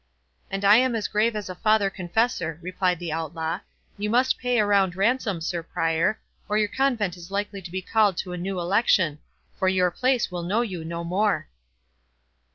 "And I am as grave as a father confessor," replied the Outlaw; "you must pay a round ransom, Sir Prior, or your convent is likely to be called to a new election; for your place will know you no more."